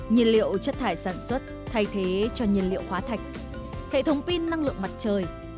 nhìn liệu chất thải sản xuất thay thế cho nhìn liệu khóa thạch hệ thống pin năng lượng mặt trời